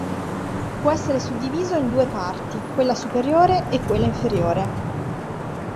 Può essere suddiviso in due parti: quella superiore, e quella inferiore.